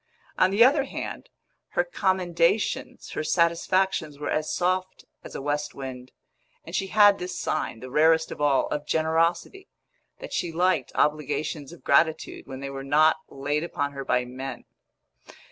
On the other hand, her commendations, her satisfactions were as soft as a west wind; and she had this sign, the rarest of all, of generosity, that she liked obligations of gratitude when they were not laid upon her by men.